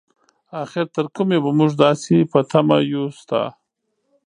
اخر تر کومې به مونږ داسې په تمه يو ستا؟